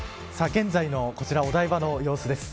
現在のお台場の様子です。